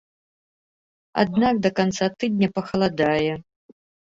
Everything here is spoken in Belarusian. Аднак да канца тыдня пахаладае.